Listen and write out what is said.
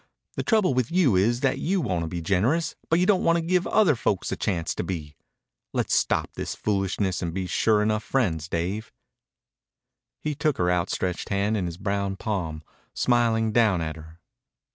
The trouble with you is that you want to be generous, but you don't want to give other folks a chance to be. Let's stop this foolishness and be sure enough friends Dave." He took her outstretched hand in his brown palm, smiling down at her.